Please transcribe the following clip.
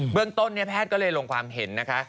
เรื่องต้นแพทย์ก็เลยลงความเห็นนะคะ